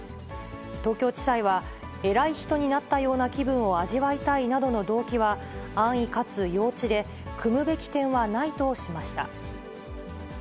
東京地裁は、偉い人になったような気分を味わいたいなどの動機は、安易かつ幼稚で、くむべき点はないとしました。